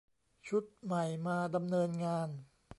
ชุดใหม่มาดำเนินงาน